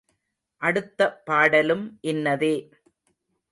அடுத்த பாடலும் இன்னதே.